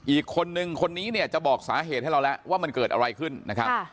อีกคนนึงคนนี้เนี่ยจะบอกสาเหตุให้เราแล้วว่ามันเกิดอะไรขึ้นนะครับ